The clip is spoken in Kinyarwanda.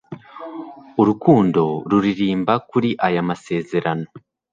Urukundo ruririmba kuri aya masezerano